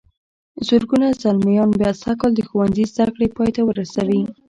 زرګونه زلميان به سږ کال د ښوونځي زدهکړې پای ته ورسوي.